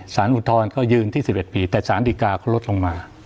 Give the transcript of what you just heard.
สารอุทธรรมเขายืนที่๑๑ปีแต่สารดิกาเขาลดลงมา